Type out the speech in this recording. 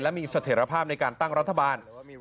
มีเสถียรภาพในการตั้งรัฐบาล